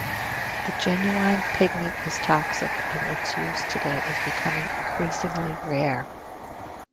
The genuine pigment is toxic, and its use today is becoming increasingly rare.